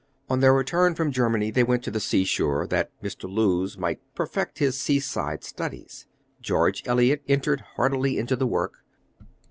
On their return from Germany they went to the sea shore, that Mr. Lewes might perfect his Sea side Studies. George Eliot entered heartily into the work.